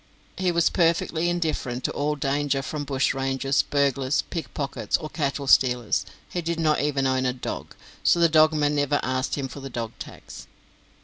He was perfectly indifferent to all danger from bush rangers, burglars, pickpockets, or cattle stealers; he did not even own a dog, so the dogman never asked him for the dog tax.